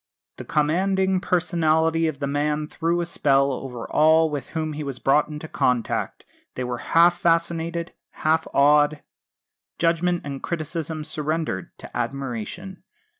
The commanding personality of the man threw a spell over all with whom he was brought into contact; they were half fascinated, half awed judgment and criticism surrendered to admiration.